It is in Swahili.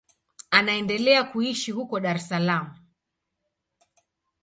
Anaendelea kuishi huko Dar es Salaam.